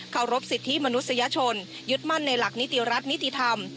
เคารพสิทธิมนุษยชนยึดมั่นในหลักนิติรัฐนิติธรรม